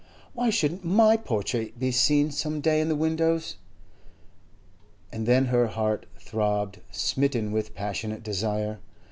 Why shouldn't my portrait be seen some day in the windows?' And then her heart throbbed, smitten with passionate desire.